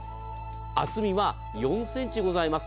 厚みは４ｃｍございます。